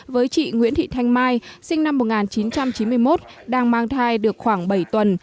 với chị nguyễn thị thanh mai sinh năm một nghìn chín trăm chín mươi một đang mang thai được khoảng bảy tuần